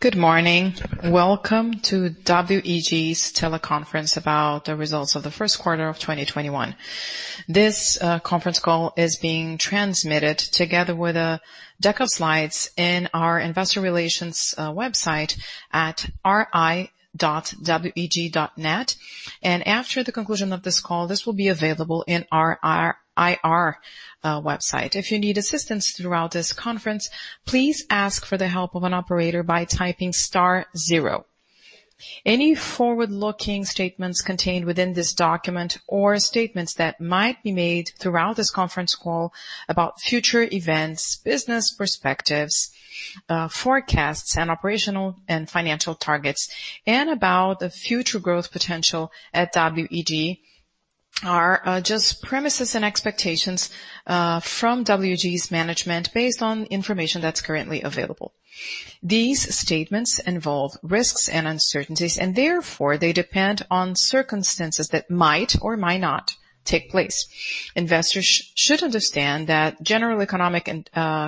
Good morning. Welcome to WEG's teleconference about the results of the first quarter of 2021. This conference call is being transmitted together with a deck of slides in our Investor Relations website at ri.weg.net. After the conclusion of this call, this will be available in our IR website. If you need assistance throughout this conference, please ask for the help of an operator by typing star zero. Any forward-looking statements contained within this document or statements that might be made throughout this conference call about future events, business perspectives, forecasts, and operational and financial targets, and about the future growth potential at WEG are just premises and expectations from WEG's management based on information that's currently available. These statements involve risks and uncertainties, and therefore, they depend on circumstances that might or might not take place. Investors should understand that general economic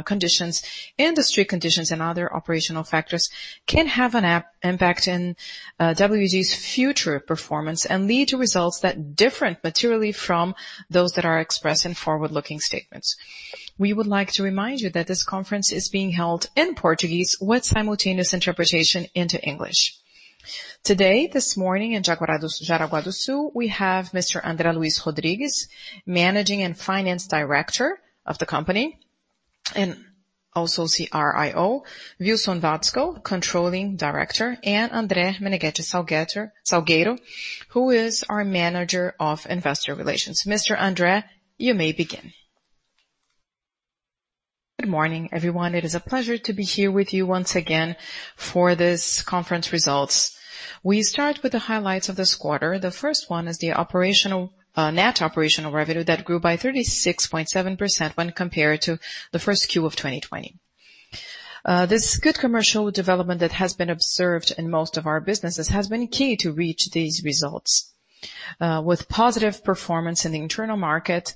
conditions, industry conditions, and other operational factors can have an impact on WEG's future performance and lead to results that differ materially from those that are expressed in forward-looking statements. We would like to remind you that this conference is being held in Portuguese with simultaneous interpretation into English. Today, this morning in Jaraguá do Sul, we have Mr. André Luis Rodrigues, Managing and Finance Director of the company, and also CRIO. Wilson José Watzko, Controller Officer. André Menegueti Salgueiro, who is our Investor Relations Manager. Mr. André, you may begin. Good morning, everyone. It is a pleasure to be here with you once again for this results conference. We start with the highlights of this quarter. The first one is the net operational revenue that grew by 36.7% when compared to the first Q of 2020. This good commercial development that has been observed in most of our businesses has been key to reach these results, with positive performance in the internal market,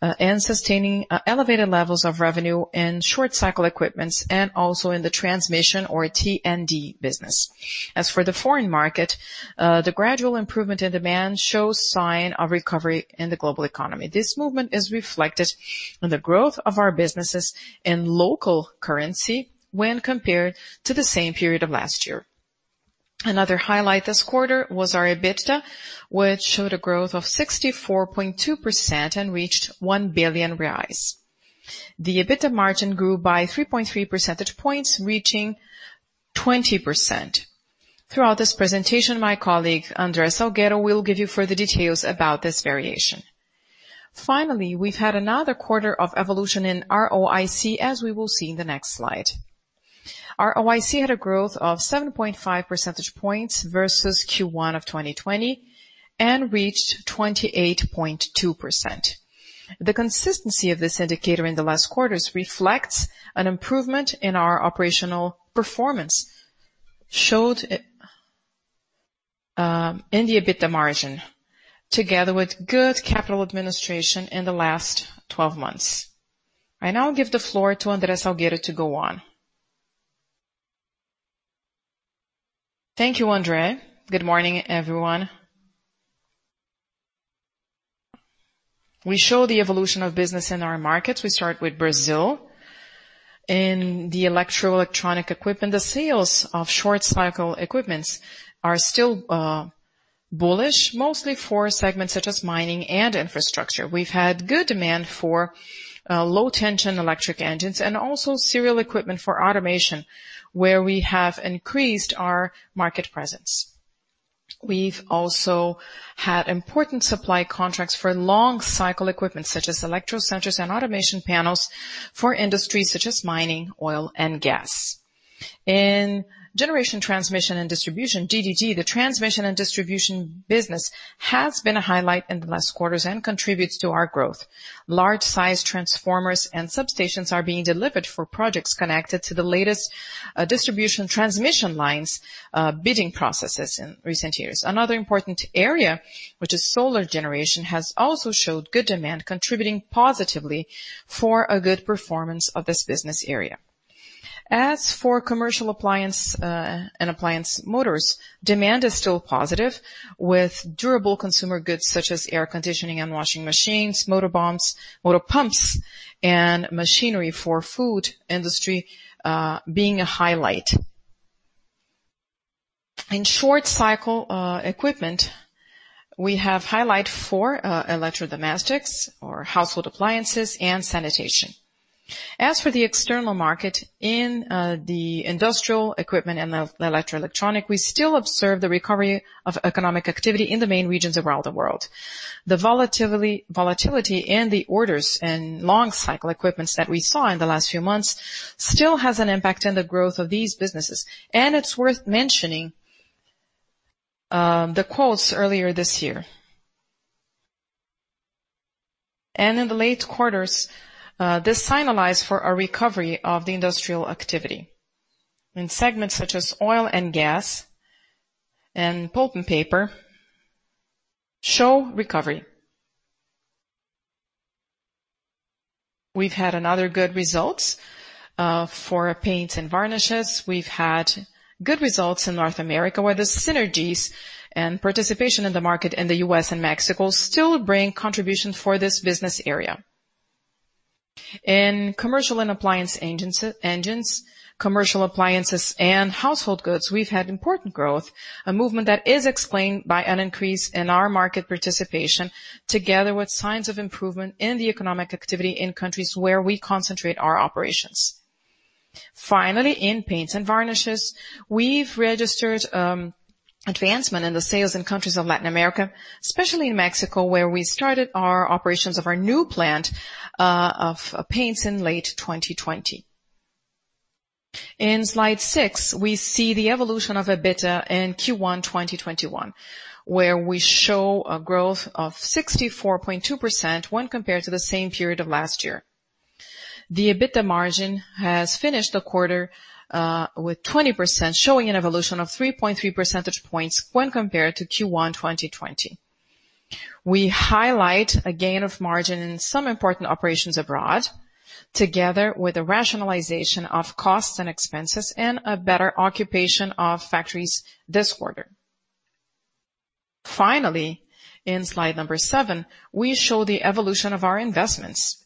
and sustaining elevated levels of revenue in short cycle equipments and also in the T&D business. For the foreign market, the gradual improvement in demand shows sign of recovery in the global economy. This movement is reflected on the growth of our businesses in local currency when compared to the same period of last year. Another highlight this quarter was our EBITDA, which showed a growth of 64.2% and reached 1 billion reais. The EBITDA margin grew by 3.3 percentage points, reaching 20%. Throughout this presentation, my colleague, André Salgueiro, will give you further details about this variation. We've had another quarter of evolution in ROIC, as we will see in the next slide. ROIC had a growth of 7.5 percentage points versus Q1 of 2020 and reached 28.2%. The consistency of this indicator in the last quarters reflects an improvement in our operational performance showed in the EBITDA margin, together with good capital administration in the last 12 months. I now give the floor to André Salgueiro to go on. Thank you, André. Good morning, everyone. We show the evolution of business in our markets. We start with Brazil. In the electro-electronic equipment, the sales of short-cycle equipments are still bullish, mostly for segments such as mining and infrastructure. We've had good demand for low-tension electric engines and also serial equipment for automation, where we have increased our market presence. We've also had important supply contracts for long cycle equipment, such as electrocenters and automation panels for industries such as mining, oil and gas. In generation transmission and distribution, GT&D, the transmission and distribution business has been a highlight in the last quarters and contributes to our growth. Large-size transformers and substations are being delivered for projects connected to the latest distribution transmission lines bidding processes in recent years. Another important area, which is solar generation, has also showed good demand, contributing positively for a good performance of this business area. As for commercial appliance and appliance motors, demand is still positive with durable consumer goods such as air conditioning and washing machines, motor pumps, and machinery for food industry being a highlight. In short cycle equipment, we have highlight for electrodomestics or household appliances and sanitation. As for the external market in the industrial equipment and the electro-electronic, we still observe the recovery of economic activity in the main regions around the world. The volatility in the orders and long cycle equipment that we saw in the last few months still has an impact on the growth of these businesses. It's worth mentioning the quotes earlier this year. In the late quarters, this signalized for a recovery of the industrial activity in segments such as oil and gas and pulp and paper show recovery. We've had another good result for paints and varnishes. We've had good results in North America, where the synergies and participation in the market in the U.S. and Mexico still bring contribution for this business area. In commercial and appliance engines, commercial appliances and household goods, we've had important growth, a movement that is explained by an increase in our market participation together with signs of improvement in the economic activity in countries where we concentrate our operations. Finally, in paints and varnishes, we've registered advancement in the sales in countries of Latin America, especially in Mexico, where we started our operations of our new plant of paints in late 2020. In slide six, we see the evolution of EBITDA in Q1 2021, where we show a growth of 64.2% when compared to the same period of last year. The EBITDA margin has finished the quarter with 20%, showing an evolution of 3.3 percentage points when compared to Q1 2020. We highlight a gain of margin in some important operations abroad, together with a rationalization of costs and expenses and a better occupation of factories this quarter. In slide number seven, we show the evolution of our investments.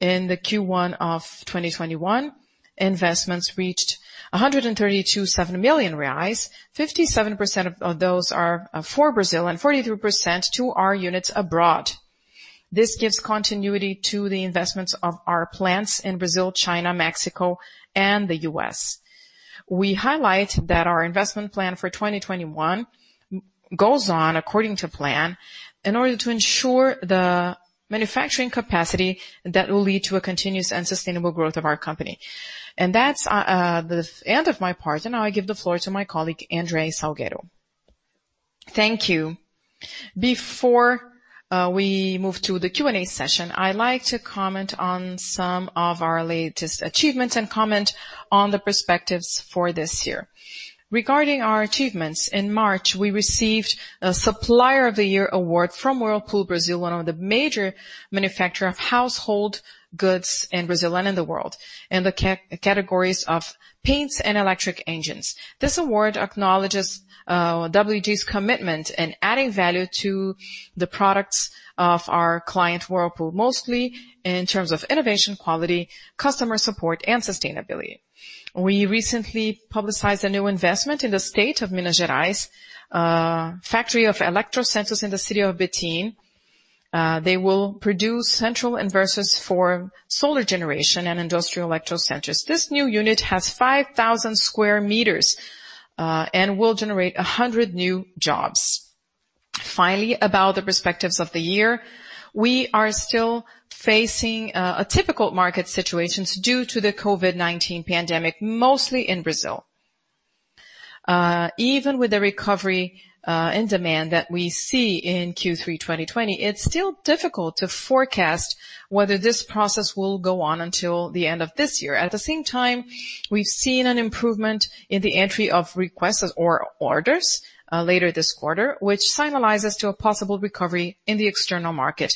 In the Q1 of 2021, investments reached 132.7 million reais. 57% of those are for Brazil and 43% to our units abroad. This gives continuity to the investments of our plants in Brazil, China, Mexico, and the U.S. We highlight that our investment plan for 2021 goes on according to plan in order to ensure the manufacturing capacity that will lead to a continuous and sustainable growth of our company. That's the end of my part, and now I give the floor to my colleague, André Salgueiro. Thank you. Before we move to the Q&A session, I'd like to comment on some of our latest achievements and comment on the perspectives for this year. Regarding our achievements, in March, we received a Supplier of the Year award from Whirlpool Brazil, one of the major manufacturers of household goods in Brazil and in the world, in the categories of paints and electric engines. This award acknowledges WEG's commitment in adding value to the products of our client, Whirlpool, mostly in terms of innovation, quality, customer support, and sustainability. We recently publicized a new investment in the state of Minas Gerais, a factory of electrocenters in the city of Betim. They will produce central inverters for solar generation and industrial electrocenters. This new unit has 5,000 sq m, and will generate 100 new jobs. About the perspectives of the year. We are still facing typical market situations due to the COVID-19 pandemic, mostly in Brazil. Even with the recovery in demand that we see in Q3 2020, it's still difficult to forecast whether this process will go on until the end of this year. At the same time, we've seen an improvement in the entry of requests or orders later this quarter, which signalize us to a possible recovery in the external market.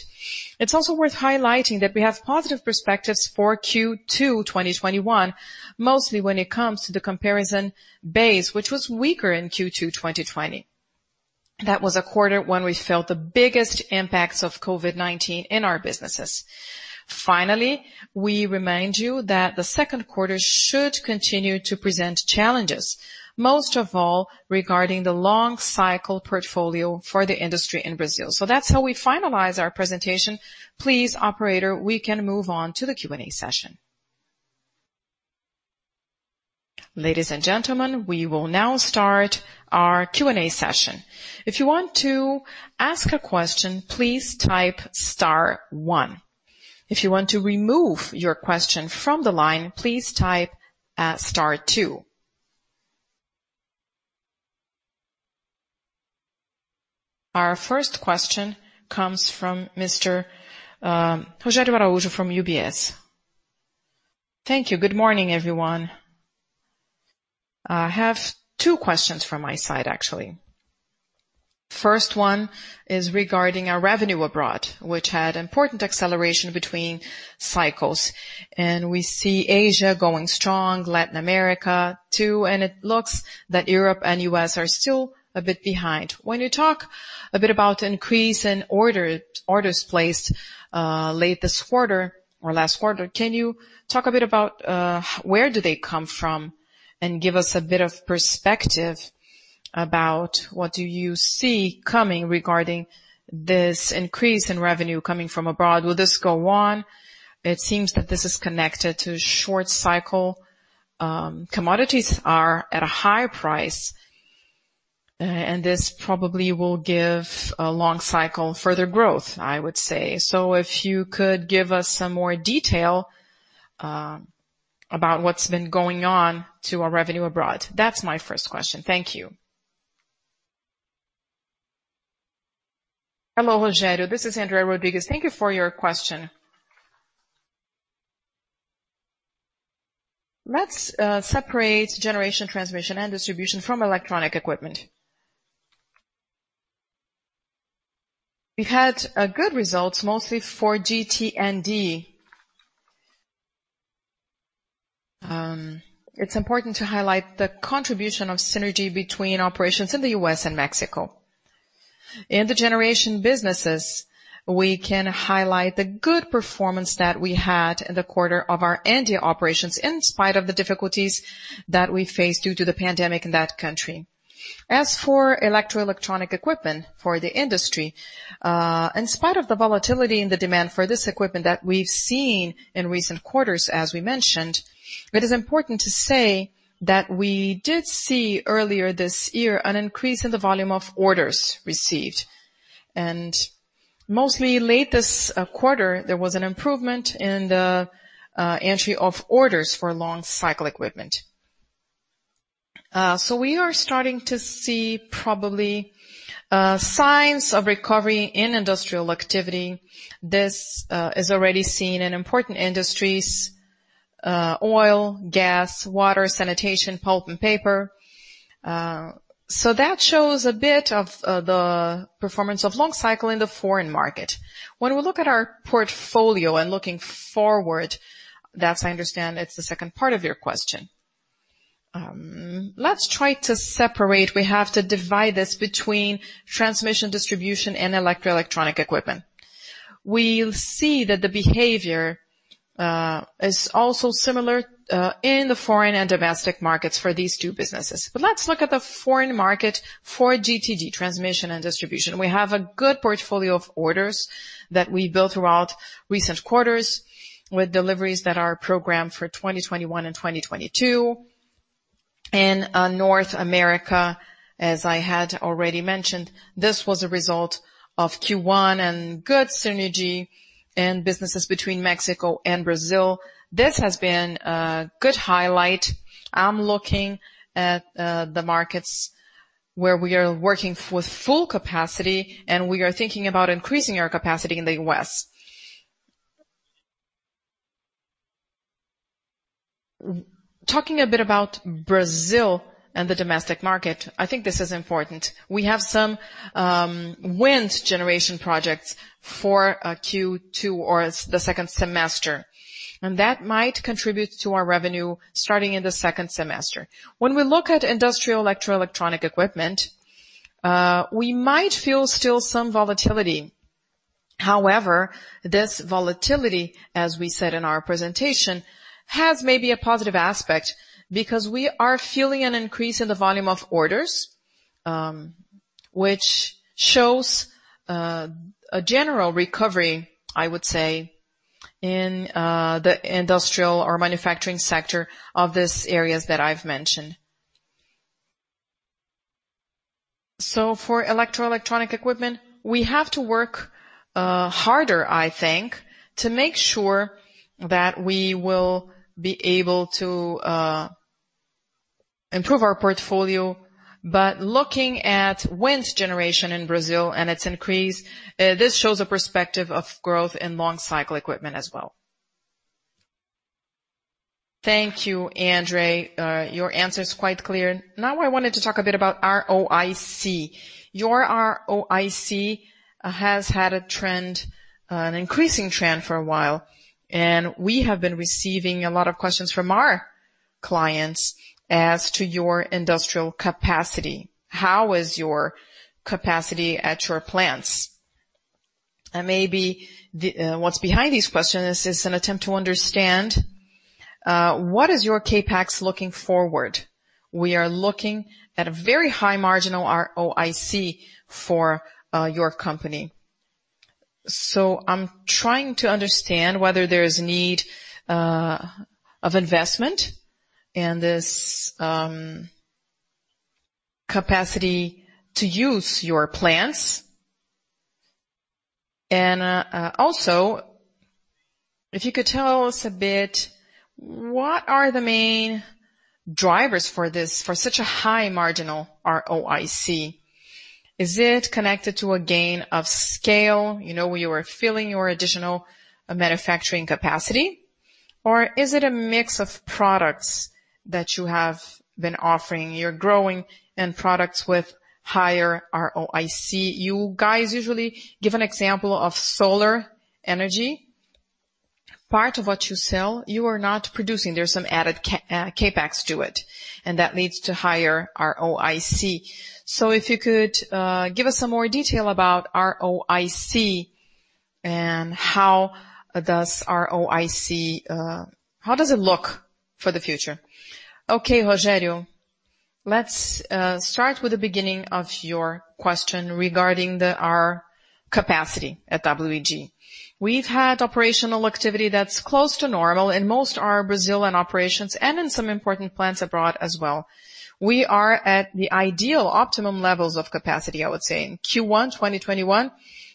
It's also worth highlighting that we have positive perspectives for Q2 2021, mostly when it comes to the comparison base, which was weaker in Q2 2020. That was a quarter when we felt the biggest impacts of COVID-19 in our businesses. We remind you that the second quarter should continue to present challenges, most of all regarding the long cycle portfolio for the industry in Brazil. That's how we finalize our presentation. Please, operator, we can move on to the Q&A session. Ladies and gentlemen, we will now start our Q&A session. If you want to ask a question, please type star one. If you want to remove your question from the line, please type star two. Our first question comes from Mr. Rogério Araújo from UBS. Thank you. Good morning, everyone. I have two questions from my side, actually. First one is regarding our revenue abroad, which had important acceleration between cycles. We see Asia going strong, Latin America too, and it looks that Europe and U.S. are still a bit behind. When you talk a bit about increase in orders placed late this quarter or last quarter, can you talk a bit about where do they come from, and give us a bit of perspective about what do you see coming regarding this increase in revenue coming from abroad? Will this go on? It seems that this is connected to short cycle. Commodities are at a higher price, this probably will give a long cycle further growth, I would say. If you could give us some more detail about what's been going on to our revenue abroad? That's my first question. Thank you. Hello, Rogério. This is André Rodrigues. Thank you for your question. Let's separate generation transmission and distribution from electronic equipment. We've had good results mostly for GT&D. It's important to highlight the contribution of synergy between operations in the U.S. and Mexico. In the generation businesses, we can highlight the good performance that we had in the quarter of our India operations in spite of the difficulties that we face due to the pandemic in that country. As for electro-electronic equipment for the industry, in spite of the volatility in the demand for this equipment that we've seen in recent quarters, as we mentioned, it is important to say that we did see earlier this year an increase in the volume of orders received. Mostly late this quarter, there was an improvement in the entry of orders for long cycle equipment. We are starting to see probably signs of recovery in industrial activity. This is already seen in important industries, oil, gas, water, sanitation, pulp and paper. That shows a bit of the performance of long cycle in the foreign market. When we look at our portfolio and looking forward, that I understand it's the second part of your question. Let's try to separate, we have to divide this between transmission, distribution, and electro-electronic equipment. We'll see that the behavior is also similar in the foreign and domestic markets for these two businesses. Let's look at the foreign market for GT&D transmission and distribution. We have a good portfolio of orders that we built throughout recent quarters with deliveries that are programmed for 2021 and 2022. North America, as I had already mentioned, this was a result of Q1 and good synergy and businesses between Mexico and Brazil. This has been a good highlight. I'm looking at the markets where we are working with full capacity, and we are thinking about increasing our capacity in the U.S. Talking a bit about Brazil and the domestic market, I think this is important. We have some wind generation projects for Q2 or the second semester, and that might contribute to our revenue starting in the second semester. When we look at industrial electro-electronic equipment, we might feel still some volatility. However, this volatility, as we said in our presentation, has maybe a positive aspect because we are feeling an increase in the volume of orders, which shows a general recovery, I would say, in the industrial or manufacturing sector of these areas that I've mentioned. For electro-electronic equipment, we have to work harder, I think, to make sure that we will be able to improve our portfolio. Looking at wind generation in Brazil and its increase, this shows a perspective of growth in long cycle equipment as well. Thank you, André. Your answer is quite clear. I wanted to talk a bit about ROIC. Your ROIC has had an increasing trend for a while, and we have been receiving a lot of questions from our clients as to your industrial capacity. How is your capacity at your plants? Maybe what's behind these questions is an attempt to understand, what is your CapEx looking forward? We are looking at a very high marginal ROIC for your company. I'm trying to understand whether there is need of investment in this capacity to use your plants. If you could tell us a bit, what are the main drivers for such a high marginal ROIC? Is it connected to a gain of scale? You were filling your additional manufacturing capacity. Or is it a mix of products that you have been offering, you're growing in products with higher ROIC. You guys usually give an example of solar energy. Part of what you sell, you are not producing. There's some added CapEx to it, and that leads to higher ROIC. If you could give us some more detail about ROIC and how does ROIC look for the future? Okay, Rogério. Let's start with the beginning of your question regarding our capacity at WEG. We've had operational activity that's close to normal in most our Brazilian operations and in some important plants abroad as well. We are at the ideal optimum levels of capacity, I would say. In Q1 2021,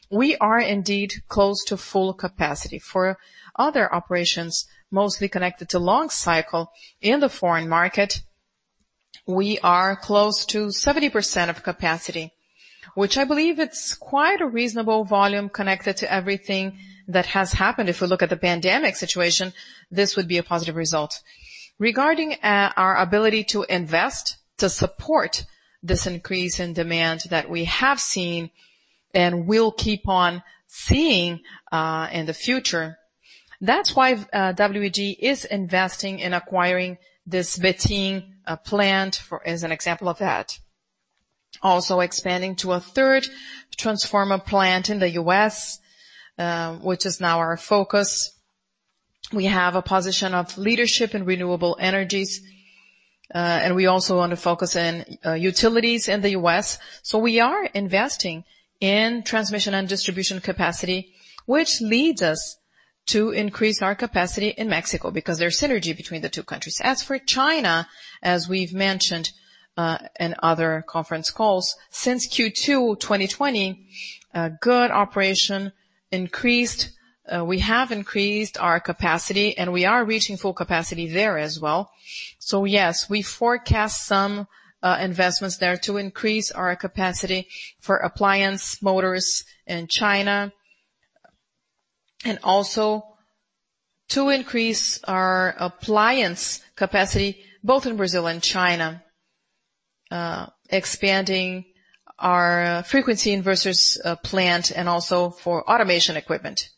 we are indeed close to full capacity. For other operations, mostly connected to long cycle in the foreign market. We are close to 70% of capacity, which I believe it's quite a reasonable volume connected to everything that has happened. If we look at the pandemic situation, this would be a positive result. Regarding our ability to invest to support this increase in demand that we have seen and will keep on seeing in the future, that's why WEG is investing in acquiring this Betim plant, as an example of that. Also expanding to a third transformer plant in the U.S. which is now our focus. We have a position of leadership in renewable energies, and we also want to focus on utilities in the U.S. We are investing in transmission and distribution capacity, which leads us to increase our capacity in Mexico because there's synergy between the two countries. As for China, as we've mentioned, in other conference calls, since Q2 2020, good operation increased. We have increased our capacity, and we are reaching full capacity there as well. Yes, we forecast some investments there to increase our capacity for appliance motors in China. Also to increase our appliance capacity both in Brazil and China, expanding our frequency inverters plant and also for automation equipment.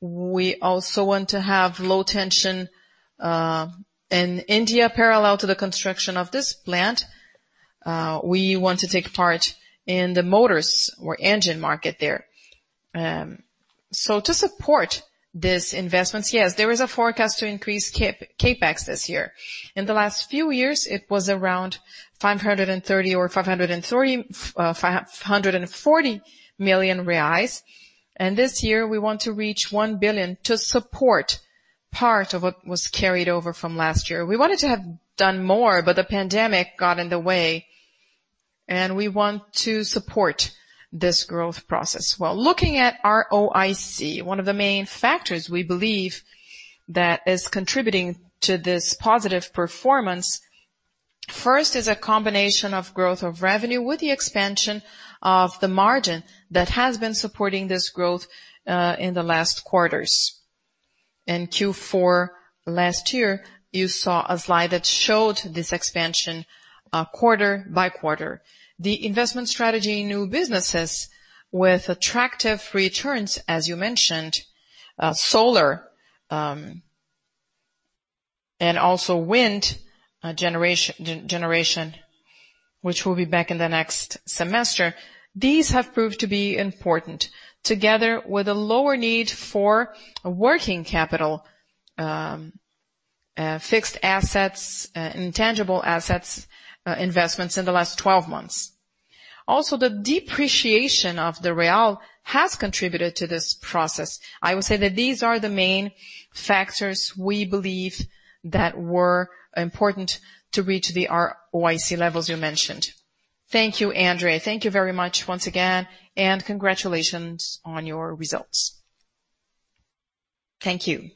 We also want to have low tension in India parallel to the construction of this plant. We want to take part in the motors or engine market there. To support these investments, yes, there is a forecast to increase CapEx this year. In the last few years, it was around 530 million reais or 540 million reais. This year, we want to reach 1 billion to support part of what was carried over from last year. We wanted to have done more, but the pandemic got in the way. We want to support this growth process. Well, looking at ROIC, one of the main factors we believe that is contributing to this positive performance, first is a combination of growth of revenue with the expansion of the margin that has been supporting this growth in the last quarters. In Q4 last year, you saw a slide that showed this expansion quarter by quarter. The investment strategy in new businesses with attractive returns, as you mentioned, solar, and also wind generation, which will be back in the next semester. These have proved to be important, together with a lower need for working capital, fixed assets, and tangible assets investments in the last 12 months. Also, the depreciation of the real has contributed to this process. I would say that these are the main factors we believe that were important to reach the ROIC levels you mentioned. Thank you, André. Thank you very much once again, and congratulations on your results. Thank you.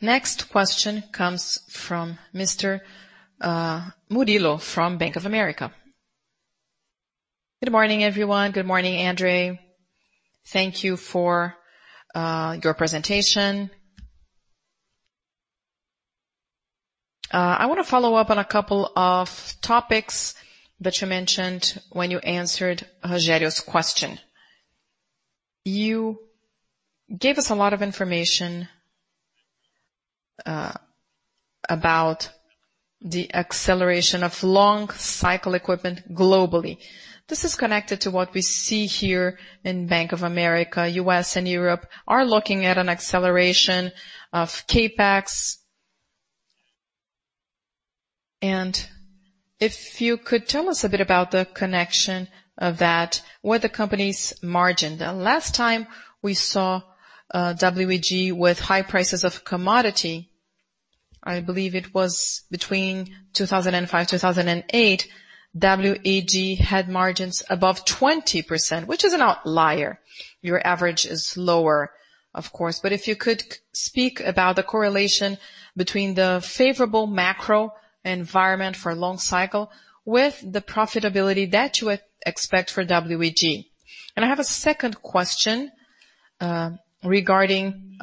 Next question comes from Mr. Murilo from Bank of America. Good morning, everyone. Good morning, André. Thank you for your presentation. I want to follow up on a couple of topics that you mentioned when you answered Rogério's question. You gave us a lot of information about the acceleration of long cycle equipment globally. This is connected to what we see here in Bank of America. U.S. and Europe are looking at an acceleration of CapEx. If you could tell us a bit about the connection of that with the company's margin. The last time we saw WEG with high prices of commodity, I believe it was between 2005, 2008, WEG had margins above 20%, which is an outlier. Your average is lower, of course. If you could speak about the correlation between the favorable macro environment for long cycle with the profitability that you expect for WEG. I have a second question regarding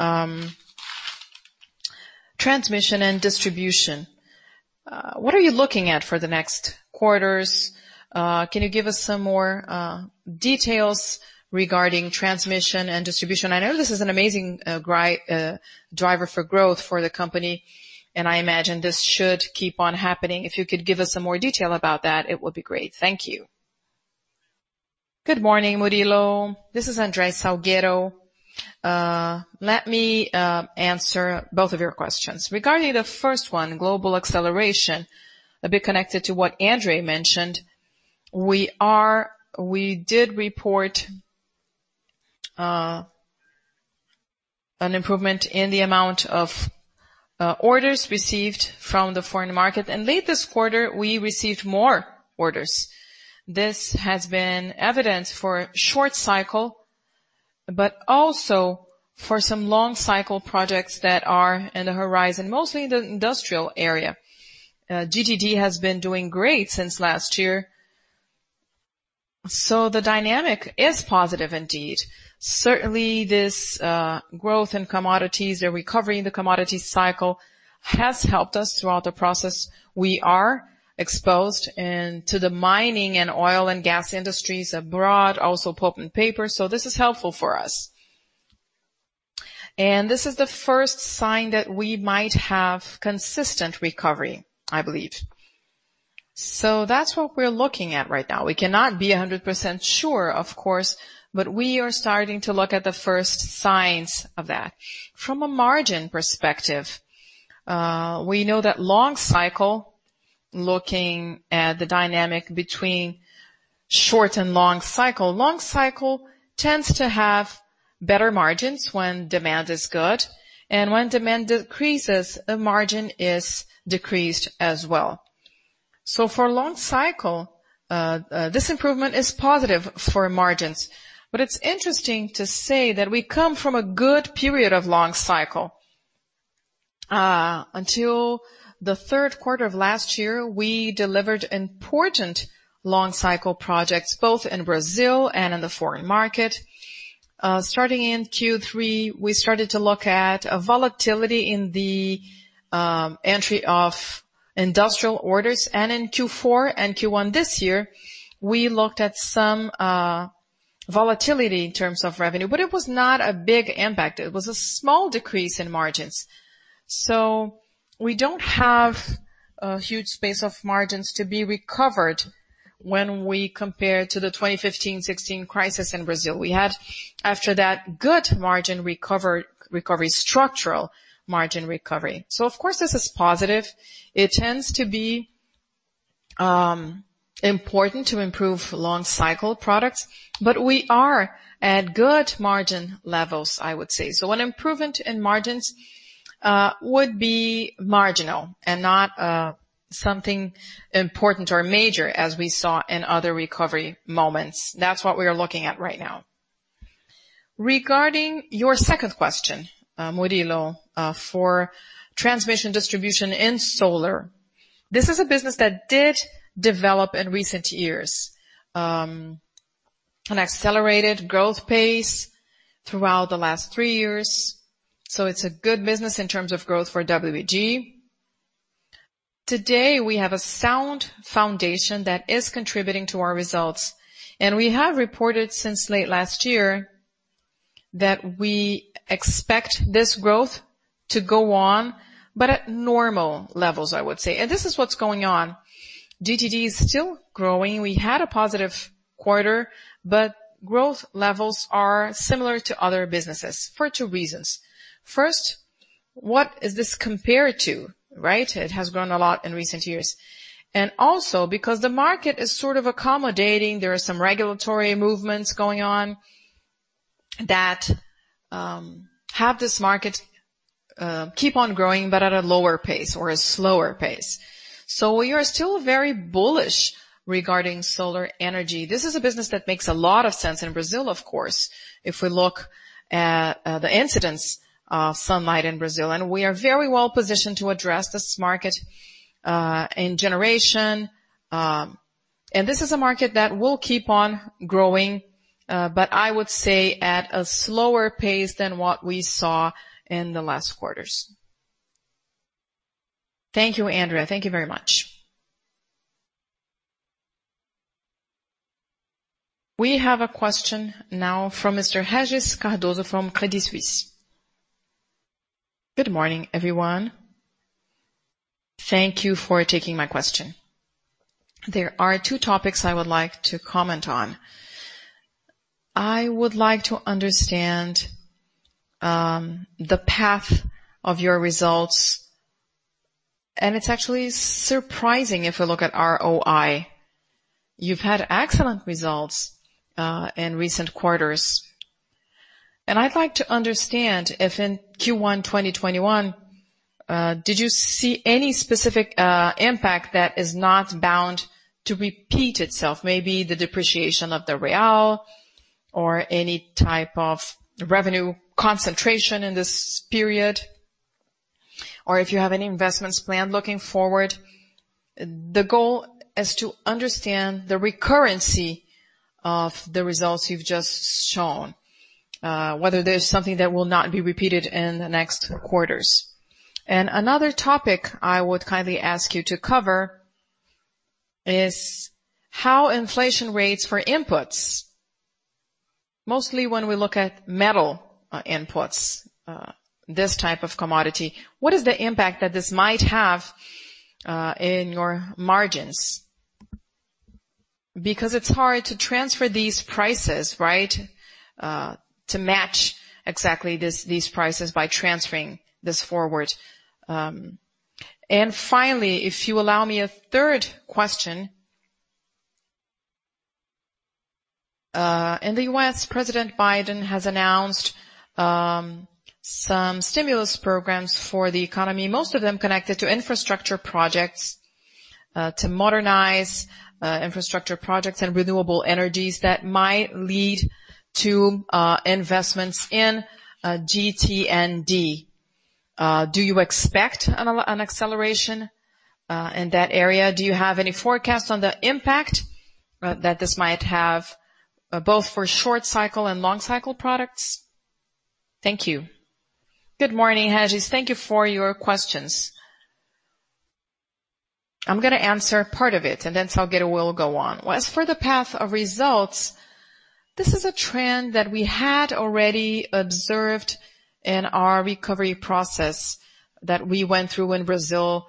transmission and distribution. What are you looking at for the next quarters? Can you give us some more details regarding transmission and distribution? I know this is an amazing driver for growth for the company, and I imagine this should keep on happening. If you could give us some more detail about that, it would be great. Thank you. Good morning, Murilo. This is André Salgueiro. Let me answer both of your questions. Regarding the first one, global acceleration, a bit connected to what André mentioned. We did report an improvement in the amount of orders received from the foreign market. Late this quarter, we received more orders. This has been evidence for short cycle. Also for some long cycle projects that are in the horizon, mostly in the industrial area. GT&D has been doing great since last year. The dynamic is positive indeed. Certainly, this growth in commodities, the recovery in the commodity cycle, has helped us throughout the process. We are exposed to the mining and oil and gas industries abroad, also pulp and paper. This is helpful for us. This is the first sign that we might have consistent recovery, I believe. That's what we're looking at right now. We cannot be 100% sure, of course, but we are starting to look at the first signs of that. From a margin perspective, we know that long cycle, looking at the dynamic between short and long cycle, long cycle tends to have better margins when demand is good. When demand decreases, the margin is decreased as well. For long cycle, this improvement is positive for margins. It's interesting to say that we come from a good period of long cycle. Until the third quarter of last year, we delivered important long cycle projects, both in Brazil and in the foreign market. Starting in Q3, we started to look at a volatility in the entry of industrial orders. In Q4 and Q1 this year, we looked at some volatility in terms of revenue. It was not a big impact. It was a small decrease in margins. We don't have a huge space of margins to be recovered when we compare to the 2015-2016 crisis in Brazil. We had, after that, good margin recovery, structural margin recovery. Of course, this is positive. It tends to be important to improve long cycle products. We are at good margin levels, I would say. An improvement in margins would be marginal and not something important or major as we saw in other recovery moments. That's what we are looking at right now. Regarding your second question, Murilo, for transmission distribution in solar. This is a business that did develop in recent years, an accelerated growth pace throughout the last three years. It's a good business in terms of growth for WEG. Today, we have a sound foundation that is contributing to our results. We have reported since late last year that we expect this growth to go on, but at normal levels, I would say. This is what's going on. GT&D is still growing. We had a positive quarter, but growth levels are similar to other businesses for two reasons. First, what is this compared to, right? It has grown a lot in recent years. Also because the market is sort of accommodating, there are some regulatory movements going on that have this market keep on growing but at a lower pace or a slower pace. We are still very bullish regarding solar energy. This is a business that makes a lot of sense in Brazil, of course, if we look at the incidence of sunlight in Brazil. We are very well positioned to address this market in generation. This is a market that will keep on growing, but I would say at a slower pace than what we saw in the last quarters. Thank you, André. Thank you very much. We have a question now from Mr. Régis Cardoso from Credit Suisse. Good morning, everyone. Thank you for taking my question. There are two topics I would like to comment on. I would like to understand the path of your results. It's actually surprising if we look at ROIC. You've had excellent results in recent quarters. I'd like to understand if in Q1 2021, did you see any specific impact that is not bound to repeat itself, maybe the depreciation of the BRL or any type of revenue concentration in this period? If you have any investments planned looking forward. The goal is to understand the recurrency of the results you've just shown, whether there's something that will not be repeated in the next quarters. Another topic I would kindly ask you to cover is how inflation rates for inputs, mostly when we look at metal inputs, this type of commodity, what is the impact that this might have in your margins? Because it's hard to transfer these prices, right, to match exactly these prices by transferring this forward. Finally, if you allow me a third question. In the U.S., President Biden has announced some stimulus programs for the economy, most of them connected to infrastructure projects to modernize infrastructure projects and renewable energies that might lead to investments in GT&D. Do you expect an acceleration in that area? Do you have any forecasts on the impact that this might have, both for short cycle and long cycle products? Thank you. Good morning, Régis. Thank you for your questions. I'm going to answer part of it, and then Salgueiro will go on. As for the path of results, this is a trend that we had already observed in our recovery process that we went through in Brazil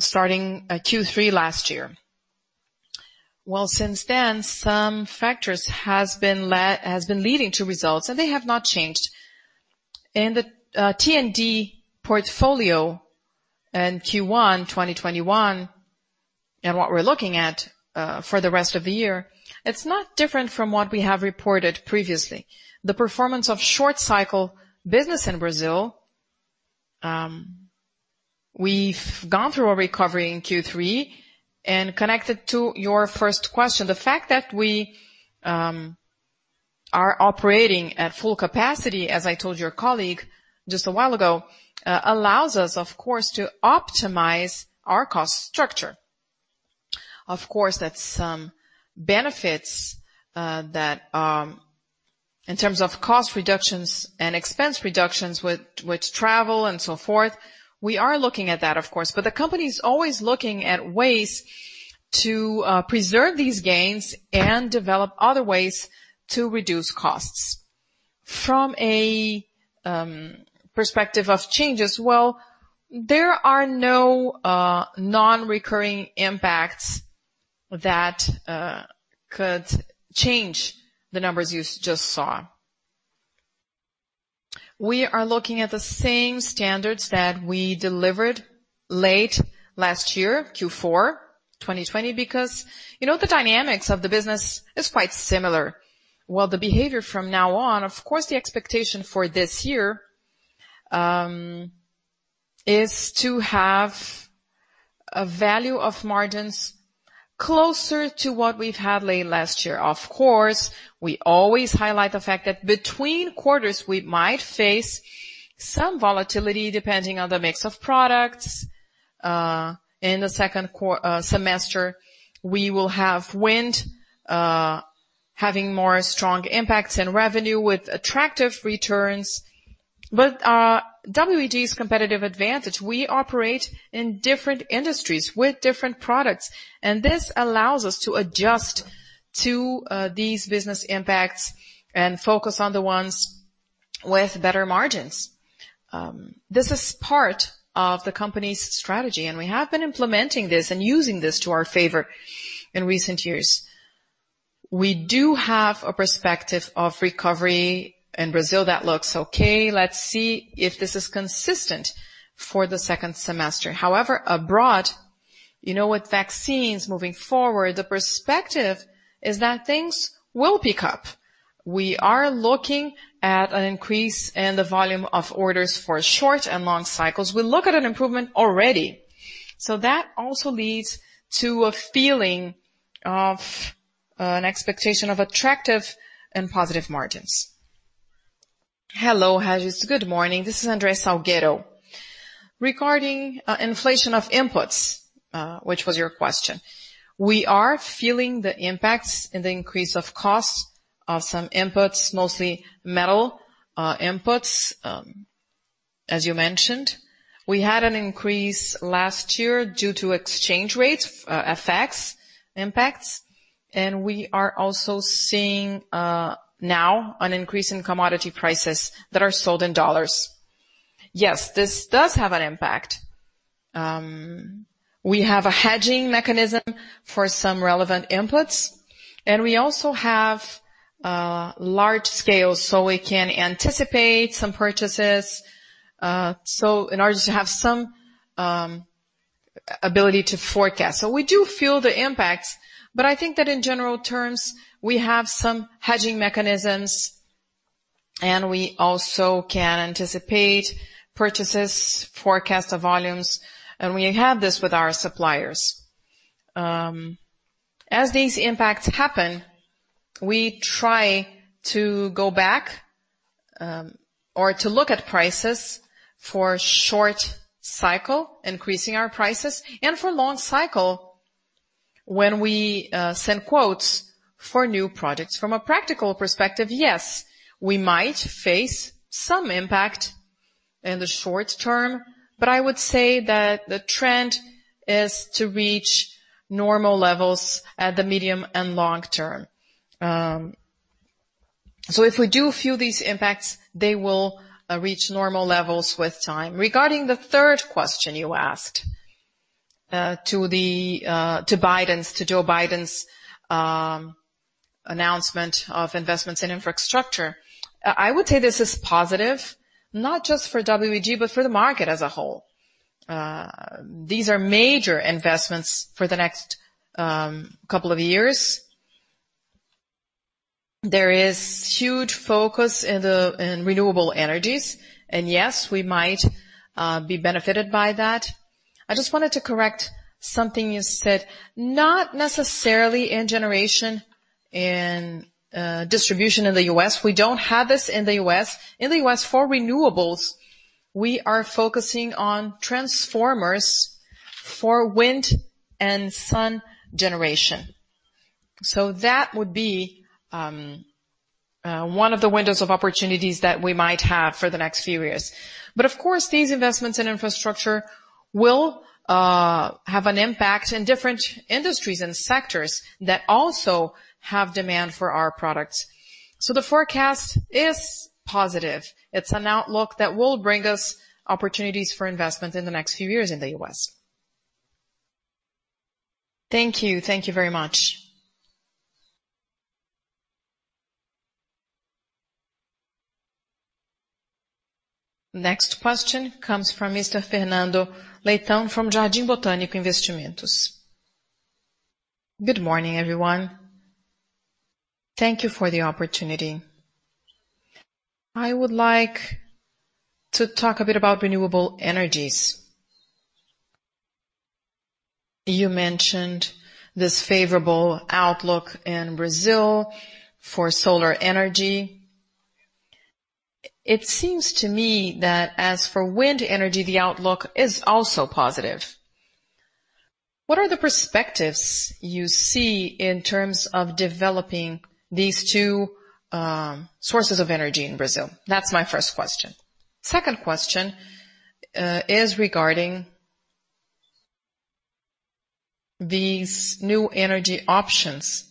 starting Q3 last year. While since then, some factors have been leading to results, and they have not changed. In the T&D portfolio in Q1 2021, and what we're looking at for the rest of the year, it's not different from what we have reported previously. The performance of short cycle business in Brazil, we've gone through a recovery in Q3. Connected to your first question, the fact that we are operating at full capacity, as I told your colleague just a while ago, allows us, of course, to optimize our cost structure. Of course, that's benefits in terms of cost reductions and expense reductions with travel and so forth. We are looking at that, of course. The company is always looking at ways to preserve these gains and develop other ways to reduce costs. From a perspective of changes, well, there are no non-recurring impacts that could change the numbers you just saw. We are looking at the same standards that we delivered late last year, Q4 2020, because the dynamics of the business is quite similar. The behavior from now on, of course, the expectation for this year is to have a value of margins closer to what we've had late last year. We always highlight the fact that between quarters, we might face some volatility depending on the mix of products. In the second semester, we will have wind having more strong impacts in revenue with attractive returns. WEG's competitive advantage, we operate in different industries with different products, and this allows us to adjust to these business impacts and focus on the ones with better margins. This is part of the company's strategy, and we have been implementing this and using this to our favor in recent years. We do have a perspective of recovery in Brazil that looks okay. Let's see if this is consistent for the second semester. However, abroad, with vaccines moving forward, the perspective is that things will pick up. We are looking at an increase in the volume of orders for short and long cycles. We look at an improvement already. That also leads to a feeling of an expectation of attractive and positive margins. Hello, Régis. Good morning. This is André Salgueiro. Regarding inflation of inputs, which was your question. We are feeling the impacts in the increase of costs of some inputs, mostly metal inputs as you mentioned. We had an increase last year due to exchange rate effects impacts, and we are also seeing now an increase in commodity prices that are sold in dollars. Yes, this does have an impact. We have a hedging mechanism for some relevant inputs, and we also have large scale, so we can anticipate some purchases, so in order to have some ability to forecast. We do feel the impacts, but I think that in general terms, we have some hedging mechanisms, and we also can anticipate purchases, forecast the volumes, and we have this with our suppliers. As these impacts happen, we try to go back or to look at prices for short cycle, increasing our prices, and for long cycle, when we send quotes for new projects. From a practical perspective, yes, we might face some impact in the short term, but I would say that the trend is to reach normal levels at the medium and long term. If we do feel these impacts, they will reach normal levels with time. Regarding the third question you asked to Joe Biden's announcement of investments in infrastructure, I would say this is positive, not just for WEG, but for the market as a whole. These are major investments for the next couple of years. There is huge focus in renewable energies and yes, we might be benefited by that. I just wanted to correct something you said. Not necessarily in generation, in distribution in the U.S. We don't have this in the U.S. In the U.S., for renewables, we are focusing on transformers for wind and sun generation. So that would be one of the windows of opportunity that we might have for the next few years. Of course, these investments in infrastructure will have an impact in different industries and sectors that also have demand for our products. The forecast is positive. It's an outlook that will bring us opportunities for investment in the next few years in the U.S. Thank you. Thank you very much. Next question comes from Mr. Fernando Leitão from Jardim Botânico Investimentos. Good morning, everyone. Thank you for the opportunity. I would like to talk a bit about renewable energies. You mentioned this favorable outlook in Brazil for solar energy. It seems to me that as for wind energy, the outlook is also positive. What are the perspectives you see in terms of developing these two sources of energy in Brazil? That's my first question. Second question is regarding these new energy options,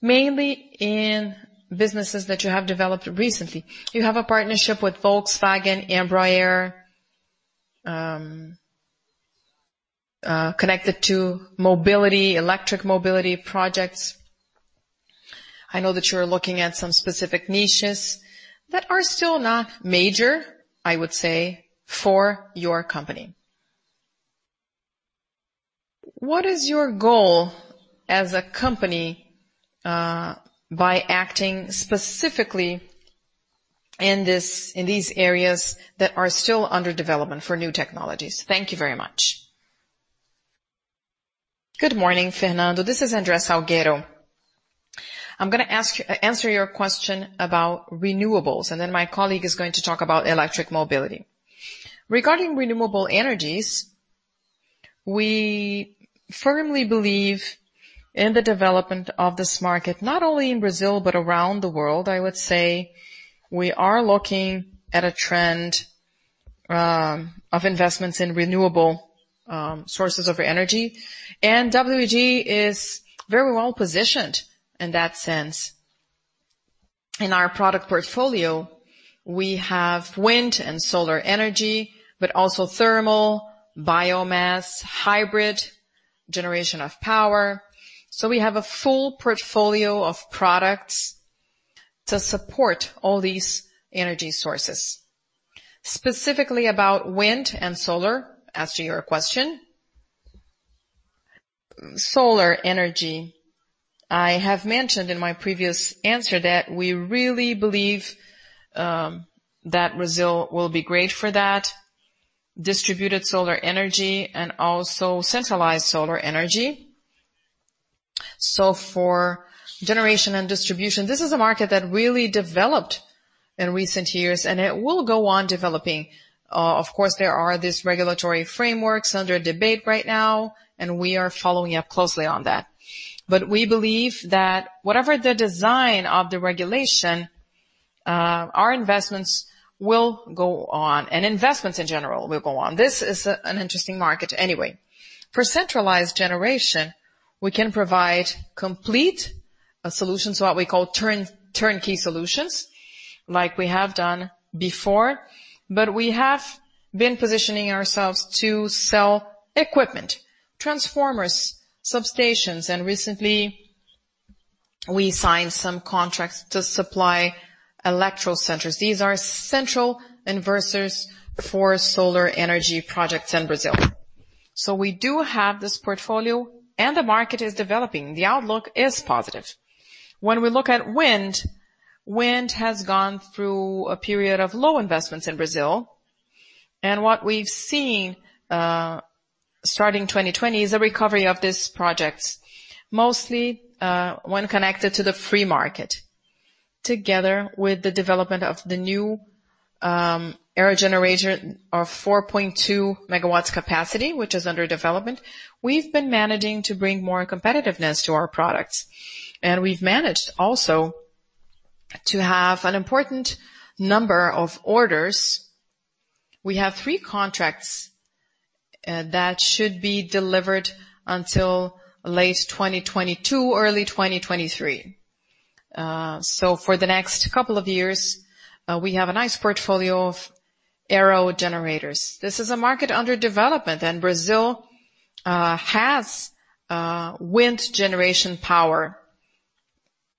mainly in businesses that you have developed recently. You have a partnership with Volkswagen, Embraer, connected to mobility, electric mobility projects. I know that you're looking at some specific niches that are still not major, I would say, for your company. What is your goal as a company, by acting specifically in these areas that are still under development for new technologies? Thank you very much. Good morning, Fernando. This is André Salgueiro. I'm going to answer your question about renewables, and then my colleague is going to talk about electric mobility. Regarding renewable energies, we firmly believe in the development of this market, not only in Brazil but around the world, I would say. We are looking at a trend of investments in renewable sources of energy. WEG is very well-positioned in that sense. In our product portfolio, we have wind and solar energy, but also thermal, biomass, hybrid generation of power. We have a full portfolio of products to support all these energy sources. Specifically about wind and solar, answering your question. Solar energy, I have mentioned in my previous answer that we really believe that Brazil will be great for that, distributed solar energy and also centralized solar energy. For generation and distribution, this is a market that really developed in recent years. It will go on developing. Of course, there are these regulatory frameworks under debate right now. We are following up closely on that. We believe that whatever the design of the regulation, our investments will go on and investments in general will go on. This is an interesting market anyway. For centralized generation, we can provide complete solutions, what we call turnkey solutions, like we have done before, but we have been positioning ourselves to sell equipment, transformers, substations, and recently we signed some contracts to supply electrocenters. These are central inverters for solar energy projects in Brazil. We do have this portfolio and the market is developing. The outlook is positive. When we look at wind has gone through a period of low investments in Brazil, and what we've seen, starting 2020, is a recovery of these projects, mostly when connected to the free market. Together with the development of the new aerogenerator of 4.2 MW capacity, which is under development, we've been managing to bring more competitiveness to our products. We've managed also to have an important number of orders. We have three contracts that should be delivered until late 2022, early 2023. For the next couple of years, we have a nice portfolio of aerogenerators. This is a market under development, and Brazil has wind generation power.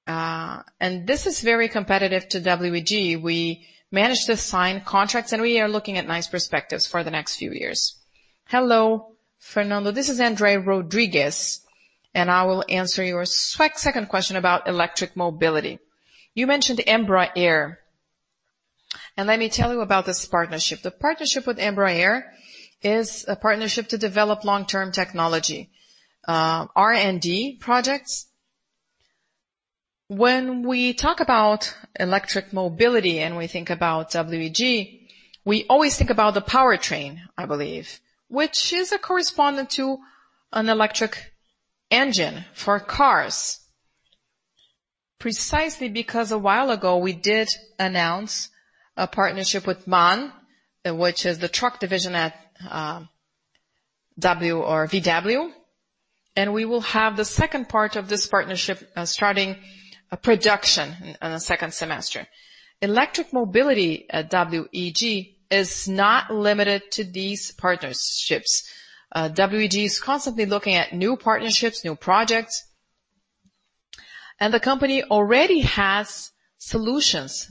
This is very competitive to WEG. We managed to sign contracts, and we are looking at nice perspectives for the next few years. Hello, Fernando. This is André Rodrigues, and I will answer your second question about electric mobility. You mentioned Embraer. Let me tell you about this partnership. The partnership with Embraer is a partnership to develop long-term technology, R&D projects. When we talk about electric mobility, and we think about WEG, we always think about the powertrain, I believe, which is a correspondent to an electric engine for cars. Precisely because a while ago, we did announce a partnership with MAN, which is the truck division at W or VW. We will have the second part of this partnership starting production in the second semester. Electric mobility at WEG is not limited to these partnerships. WEG is constantly looking at new partnerships, new projects. The company already has solutions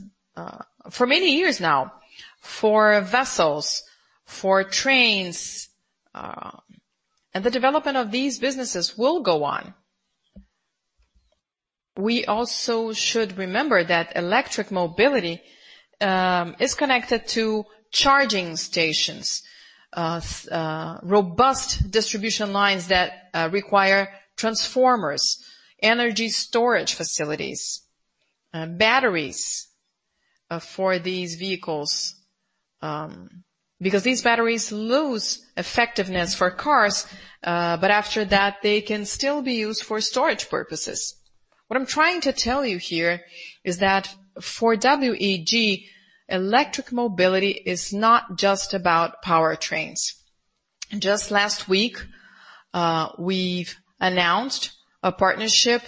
for many years now for vessels, for trains, and the development of these businesses will go on. We also should remember that electric mobility is connected to charging stations, robust distribution lines that require transformers, energy storage facilities, batteries for these vehicles. Because these batteries lose effectiveness for cars, but after that, they can still be used for storage purposes. What I'm trying to tell you here is that for WEG, electric mobility is not just about powertrains. Just last week, we've announced a partnership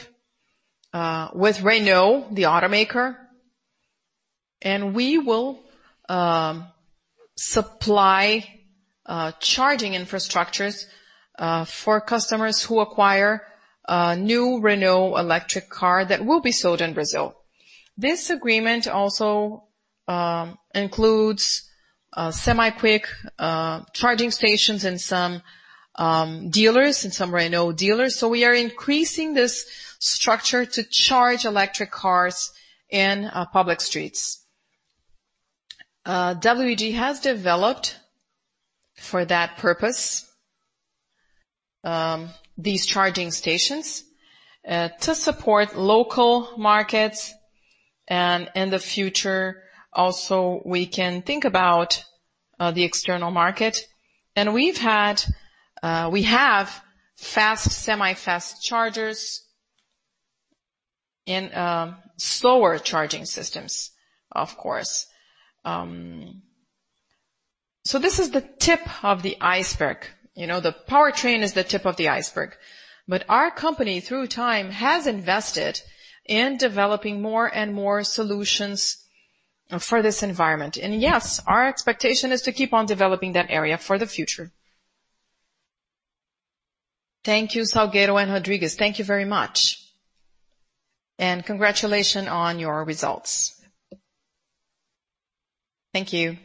with Renault, the automaker. We will supply charging infrastructures for customers who acquire a new Renault electric car that will be sold in Brazil. This agreement also includes semi-quick charging stations in some Renault dealers. We are increasing this structure to charge electric cars in public streets. WEG has developed, for that purpose, these charging stations to support local markets. In the future, also, we can think about the external market. We have fast, semi-fast chargers and slower charging systems, of course. This is the tip of the iceberg. The powertrain is the tip of the iceberg. Our company, through time, has invested in developing more and more solutions for this environment. Yes, our expectation is to keep on developing that area for the future. Thank you, Salgueiro and Rodrigues. Thank you very much. Congratulations on your results. Thank you.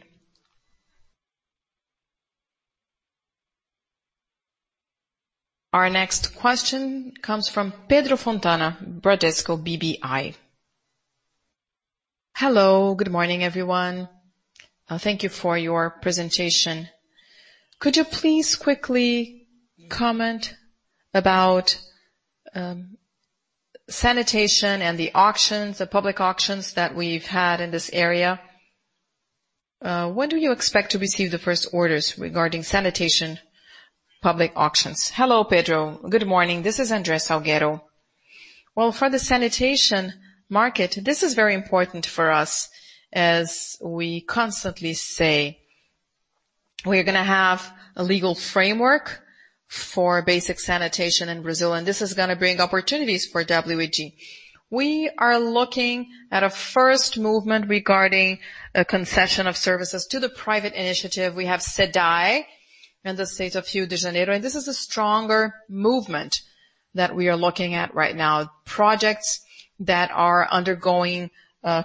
Our next question comes from Pedro Fontana, Bradesco BBI. Hello. Good morning, everyone. Thank you for your presentation. Could you please quickly comment about sanitation and the public auctions that we've had in this area? When do you expect to receive the first orders regarding sanitation public auctions? Hello, Pedro. Good morning. This is André Salgueiro. Well, for the sanitation market, this is very important for us. As we constantly say, we're going to have a legal framework for basic sanitation in Brazil, and this is going to bring opportunities for WEG. We are looking at a first movement regarding a concession of services to the private initiative. We have CEDAE in the state of Rio de Janeiro, and this is a stronger movement that we are looking at right now, projects that are undergoing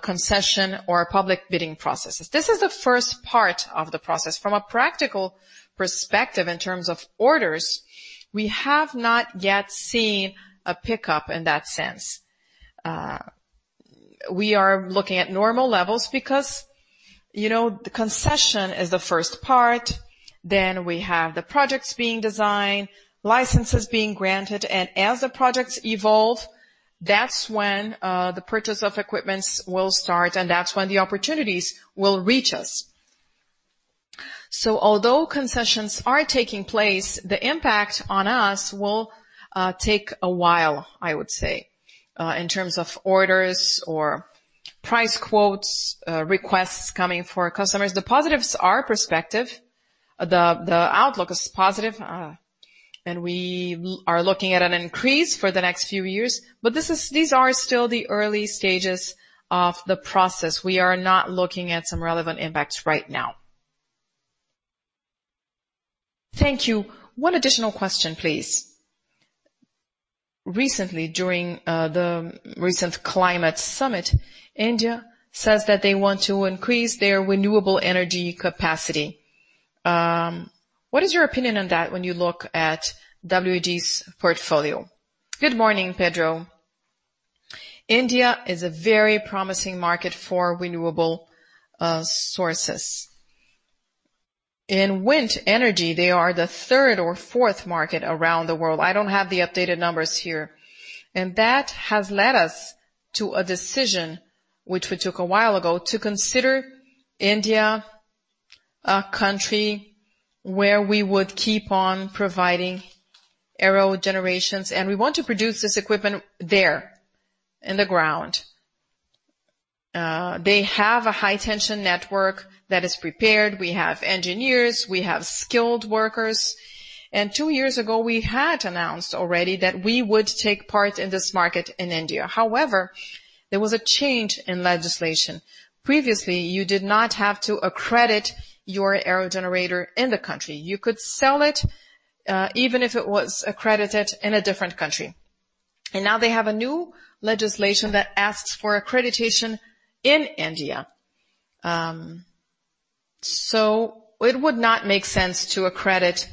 concession or public bidding processes. This is the first part of the process. From a practical perspective, in terms of orders, we have not yet seen a pickup in that sense. We are looking at normal levels because the concession is the first part. Then we have the projects being designed, licenses being granted, and as the projects evolve, that's when the purchase of equipments will start, and that's when the opportunities will reach us. Although concessions are taking place, the impact on us will take a while, I would say, in terms of orders or price quotes, requests coming for customers. The positives are prospective. The outlook is positive. We are looking at an increase for the next few years. These are still the early stages of the process. We are not looking at some relevant impacts right now. Thank you. One additional question, please. Recently, during the recent climate summit, India says that they want to increase their renewable energy capacity. What is your opinion on that when you look at WEG's portfolio? Good morning, Pedro. India is a very promising market for renewable sources. In wind energy, they are the third or fourth market around the world. I don't have the updated numbers here. That has led us to a decision, which we took a while ago, to consider India a country where we would keep on providing aerogenerators. We want to produce this equipment there in the ground. They have a high-tension network that is prepared. We have engineers, we have skilled workers. Two years ago, we had announced already that we would take part in this market in India. However, there was a change in legislation. Previously, you did not have to accredit your aerogenerator in the country. You could sell it, even if it was accredited in a different country. Now they have a new legislation that asks for accreditation in India. It would not make sense to accredit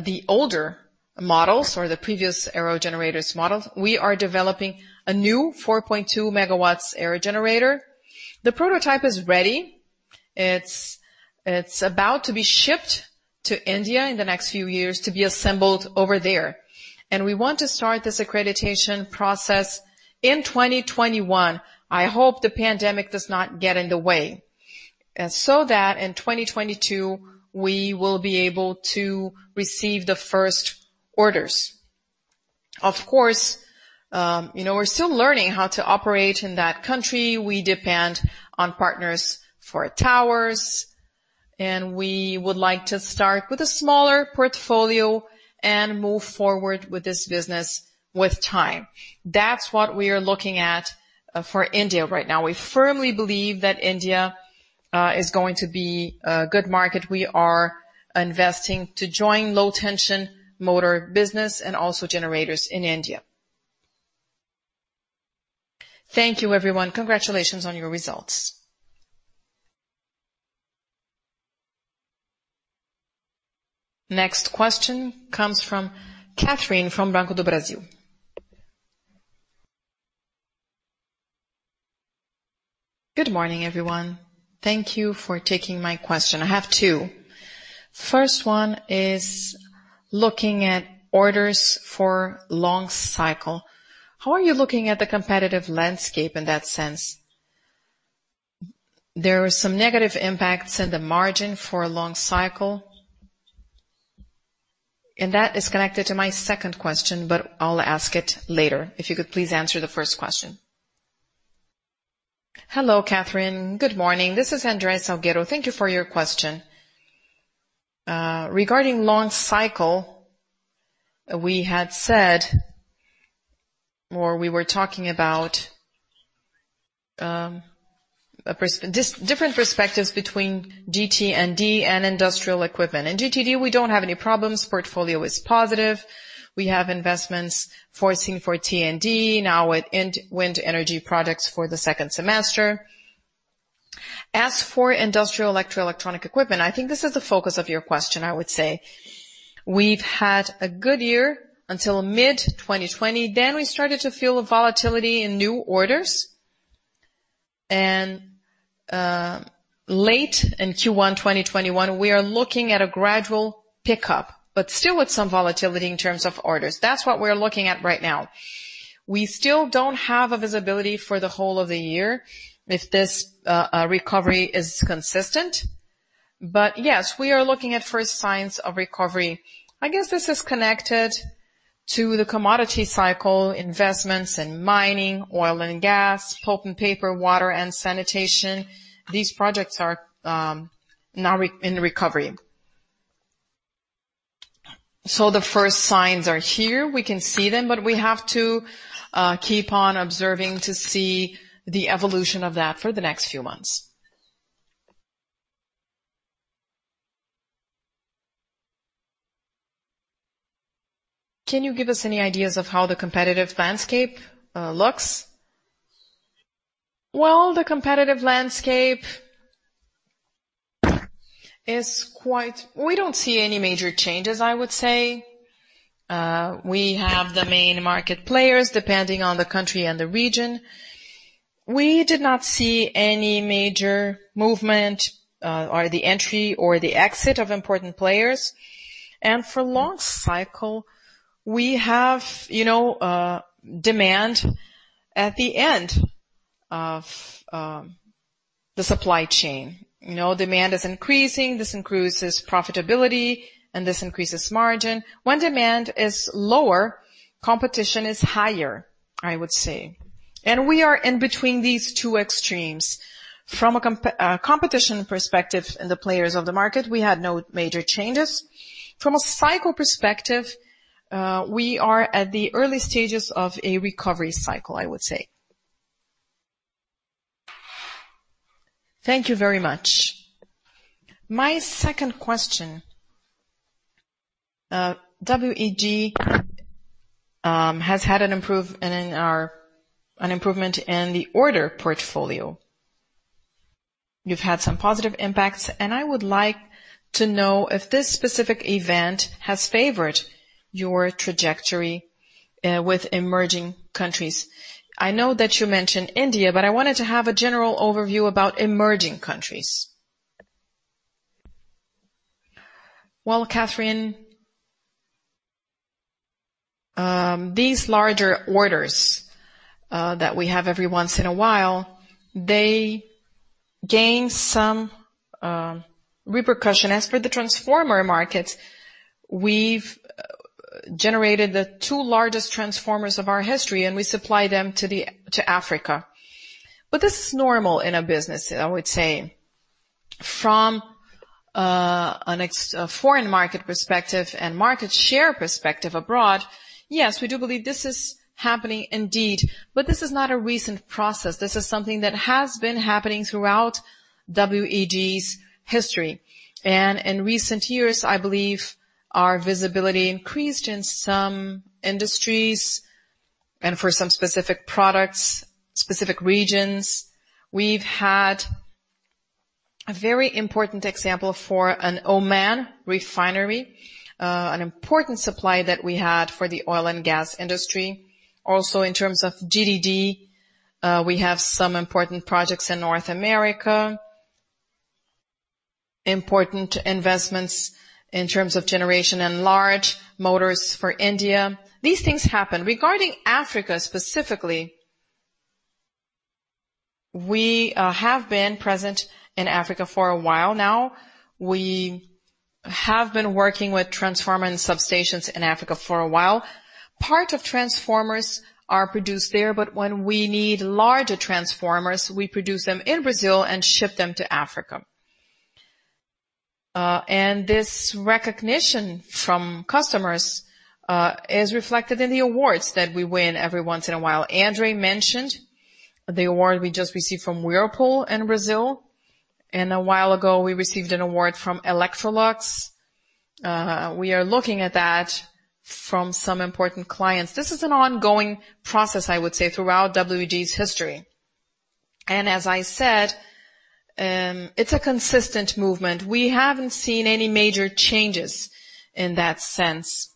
the older models or the previous aerogenerators models. We are developing a new 4.2 MW aerogenerator. The prototype is ready. It's about to be shipped to India in the next few years to be assembled over there. We want to start this accreditation process in 2021. I hope the pandemic does not get in the way. That in 2022, we will be able to receive the first orders. Of course, we're still learning how to operate in that country. We depend on partners for towers, and we would like to start with a smaller portfolio and move forward with this business with time. That's what we are looking at for India right now. We firmly believe that India is going to be a good market. We are investing to join low tension motor business and also generators in India. Thank you everyone. Congratulations on your results. Next question comes from Catherine from Banco do Brasil. Good morning, everyone. Thank you for taking my question. I have two. First one is looking at orders for long cycle. How are you looking at the competitive landscape in that sense? There are some negative impacts in the margin for a long cycle, and that is connected to my second question, but I'll ask it later. If you could please answer the first question. Hello, Catherine. Good morning. This is André Salgueiro. Thank you for your question. Regarding long cycle, we had said or we were talking about different perspectives between GT&D and industrial equipment. In GT&D, we don't have any problems. Portfolio is positive. We have investments foreseen for T&D now with wind energy products for the second semester. As for industrial electro-electronic equipment, I think this is the focus of your question, I would say. We've had a good year until mid-2020. We started to feel the volatility in new orders. Late in Q1 2021, we are looking at a gradual pickup, but still with some volatility in terms of orders. That's what we're looking at right now. We still don't have a visibility for the whole of the year if this recovery is consistent. Yes, we are looking at first signs of recovery. I guess this is connected to the commodity cycle investments in mining, oil and gas, pulp and paper, water and sanitation. These projects are now in recovery. The first signs are here. We can see them, but we have to keep on observing to see the evolution of that for the next few months. Can you give us any ideas of how the competitive landscape looks? Well, we don't see any major changes, I would say. We have the main market players depending on the country and the region. We did not see any major movement or the entry or the exit of important players. For long cycle, we have demand at the end of the supply chain. Demand is increasing. This increases profitability and this increases margin. When demand is lower, competition is higher, I would say. We are in between these two extremes. From a competition perspective and the players of the market, we had no major changes. From a cycle perspective, we are at the early stages of a recovery cycle, I would say. Thank you very much. My second question, WEG has had an improvement in the order portfolio. You've had some positive impacts, and I would like to know if this specific event has favored your trajectory with emerging countries. I know that you mentioned India, but I wanted to have a general overview about emerging countries? Well, Catherine, these larger orders that we have every once in a while, they gain some repercussion. As for the transformer markets, we've generated the two largest transformers of our history, and we supply them to Africa. This is normal in a business, I would say. From a foreign market perspective and market share perspective abroad, yes, we do believe this is happening indeed, but this is not a recent process. This is something that has been happening throughout WEG's history. In recent years, I believe our visibility increased in some industries and for some specific products, specific regions. We've had a very important example for an Oman refinery, an important supply that we had for the oil and gas industry. Also, in terms of GT&D, we have some important projects in North America, important investments in terms of generation and large motors for India. These things happen. Regarding Africa specifically, we have been present in Africa for a while now. We have been working with transformer and substations in Africa for a while. Part of transformers are produced there, when we need larger transformers, we produce them in Brazil and ship them to Africa. This recognition from customers is reflected in the awards that we win every once in a while. André mentioned the award we just received from Whirlpool in Brazil, and a while ago, we received an award from Electrolux. We are looking at that from some important clients. This is an ongoing process, I would say, throughout WEG's history. As I said, it's a consistent movement. We haven't seen any major changes in that sense.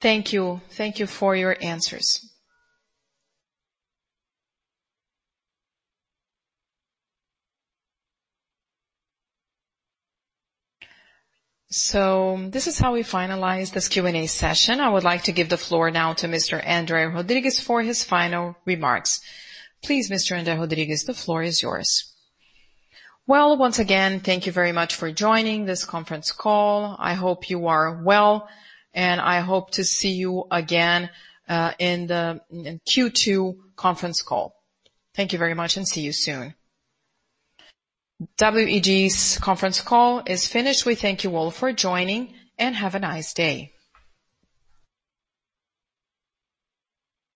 Thank you. Thank you for your answers. This is how we finalize this Q&A session. I would like to give the floor now to Mr. André Rodrigues for his final remarks. Please, Mr. Rodrigues, the floor is yours. Well, once again, thank you very much for joining this conference call. I hope you are well, and I hope to see you again in Q2 conference call. Thank you very much and see you soon. WEG's conference call is finished. We thank you all for joining and have a nice day.